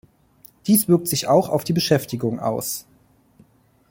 Dies wirkt sich auch auf die Beschäftigung aus.